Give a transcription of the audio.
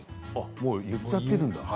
もう言っちゃっているんだ。